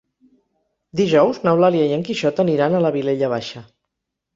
Dijous n'Eulàlia i en Quixot aniran a la Vilella Baixa.